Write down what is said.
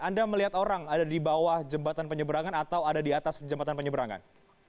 anda melihat orang ada di bawah jembatan penyeberangan atau ada di atas jembatan penyeberangan